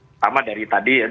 pertama dari tadi ya